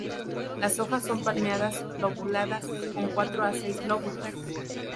Las hojas son palmeadas lobuladas con cuatro a seis lóbulos.